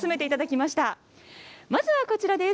まずはこちらです。